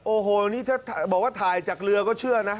โอ้โหนี่ถ้าบอกว่าถ่ายจากเรือก็เชื่อนะ